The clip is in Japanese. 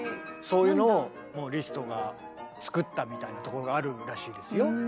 そういうのをもうリストが作ったみたいなところがあるらしいですよ。